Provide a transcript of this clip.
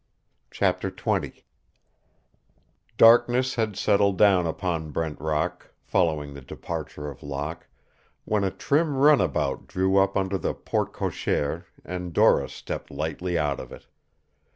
CHAPTER XX Darkness had settled down upon Brent Rock, following the departure of Locke, when a trim runabout drew up under the porte cochère and Dora stepped lightly out of it.